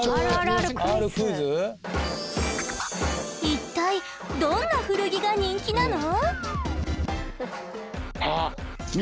一体どんな古着が人気なの？